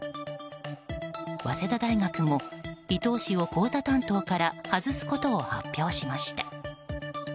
早稲田大学も伊東氏を講座担当から外すことを発表しました。